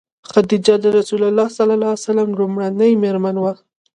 خدیجه د رسول الله ﷺ لومړنۍ مېرمن وه.